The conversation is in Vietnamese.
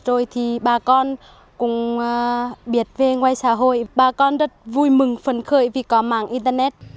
rồi thì bà con cũng biết về ngoài xã hội bà con rất vui mừng phấn khởi vì có mạng internet